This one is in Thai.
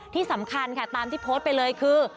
ที่สำคัญค่ะตามที่โพสต์ไปเลยคือ